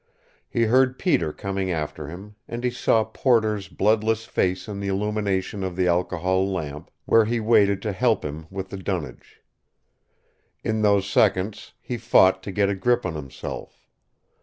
He heard Peter coming after him, and he saw Porter's bloodless face in the illumination of the alcohol lamp, where he waited to help him with the dunnage. In those seconds he fought to get a grip on himself.